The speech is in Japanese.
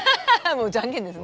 もうじゃんけんですね。